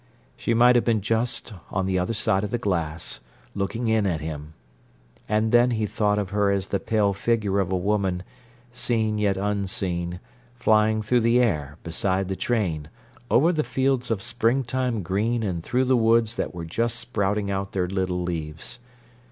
She might have been just on the other side of the glass, looking in at him—and then he thought of her as the pale figure of a woman, seen yet unseen, flying through the air, beside the train, over the fields of springtime green and through the woods that were just sprouting out their little leaves.